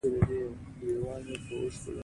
د زمکې نه د يو څيز را اوچتولو د پاره لاس ښکته کوي